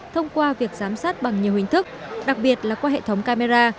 thông qua việc giám sát bằng nhiều hình thức đặc biệt là qua hệ thống camera